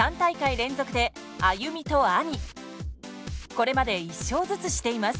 これまで１勝ずつしています。